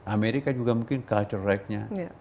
amerika juga mungkin culture right nya